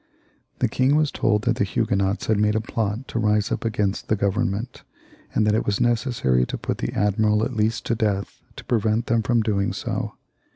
The king was told that the Huguenots had made a plot to rise up against the Government, and that it was necessary to put the admiral at least to death to pre vent them from doing so.